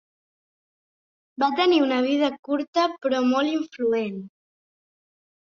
Va tenir una vida curta, però molt influent.